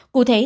cụ thể tại